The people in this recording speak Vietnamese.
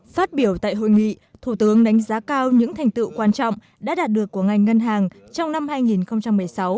phát biểu tại hội nghị thủ tướng đánh giá cao những thành tựu quan trọng đã đạt được của ngành ngân hàng trong năm hai nghìn một mươi sáu